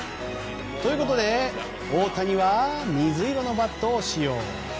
ということで大谷は水色のバットを使用。